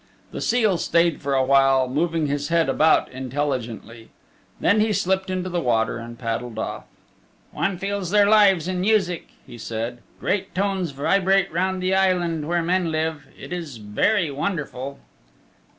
The seal stayed for a while moving his head about intelligently. Then he slipped into the water and paddled off. "One feels their lives in music," he said; "great tones vibrate round the island where men live. It is very wonderful."